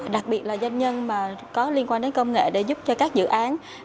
đặc biệt là doanh nhân mà có liên quan đến công nghệ để giúp cho các dự án